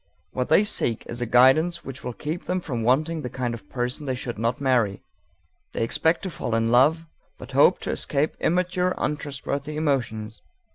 What they seek is a guidance which will keep them from wanting the kind of person they should not marry. They expect to fall in love, but hope to escape immature, untrustworthy emotions.